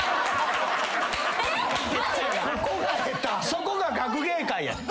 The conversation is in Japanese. そこが学芸会やねん。